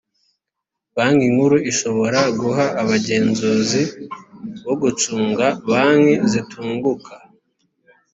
banki nkuru ishobora guha abagenzuzi bo gucunga banki zitunguka